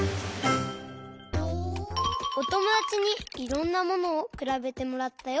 おともだちにいろんなものをくらべてもらったよ！